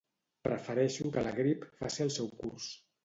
Prefereixo que la grip faci el seu curs